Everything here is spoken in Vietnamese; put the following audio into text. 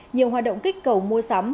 nhiều hoạt động kích cầu mua sắm